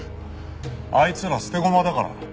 あいつら捨て駒だから。